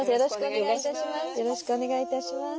よろしくお願いします。